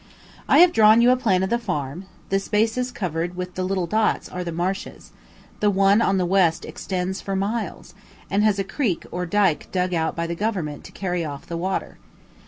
I have drawn you a plan of the farm; the spaces covered with little dots are the marshes: the one on the west extends for miles, and has a creek or dyke dug out by Government to carry off the water.